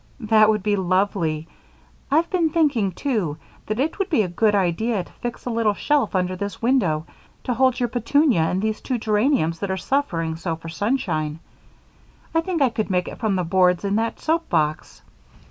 "That would be lovely. I've been thinking, too, that it would be a good idea to fix a little shelf under this window to hold your petunia and these two geraniums that are suffering so for sunshine. I think I could make it from the boards in that soap box."